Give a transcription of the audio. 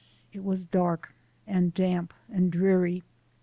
It was dark and damp and dreary.